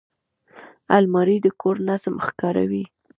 الماري د کور نظم ښکاروي